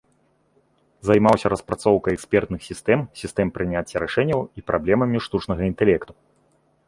Займаўся распрацоўкай экспертных сістэм, сістэм прыняцця рашэнняў і праблемамі штучнага інтэлекту.